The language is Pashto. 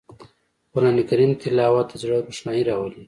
قرآن کریم تلاوت د زړه روښنايي راولي